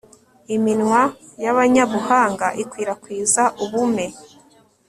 iminwa y'abanyabuhanga ikwirakwiza ubume.